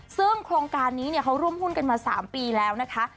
ซึ่งโครงการนี้เขาร่วมหุ้นกันมา๓ปีแล้วนะคะ